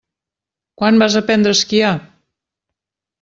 Quan vas aprendre a esquiar?